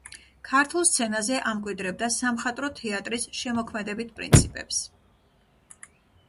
ქართულ სცენაზე ამკვიდრებდა სამხატვრო თეატრის შემოქმედებით პრინციპებს.